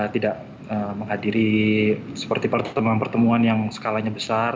tidak menghadiri seperti pertemuan pertemuan yang skalanya besar